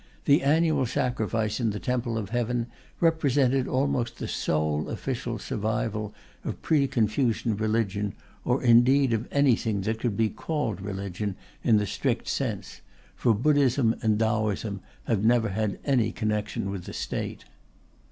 The annual sacrifice in the Temple of Heaven represented almost the sole official survival of pre Confucian religion, or indeed of anything that could be called religion in the strict sense; for Buddhism and Taoism have never had any connection with the State.